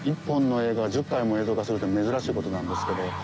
１本の映画を１０回も映像化するって珍しい事なんですけど。